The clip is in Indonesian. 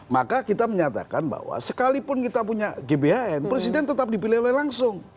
maka kita menyatakan bahwa sekalipun kita punya gbhn presiden tetap dipilih oleh langsung